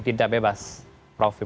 tidak bebas prof